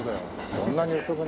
そんなに。